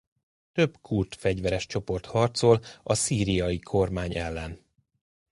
Több kurd fegyveres csoport harcol a szíriai kormány ellen.